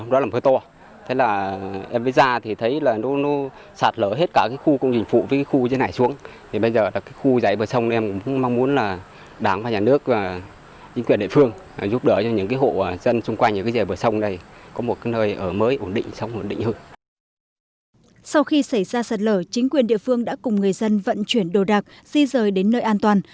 sau khi xảy ra sạt lở chính quyền địa phương đã cùng người dân vận chuyển đồ đạc di rời đến nơi an toàn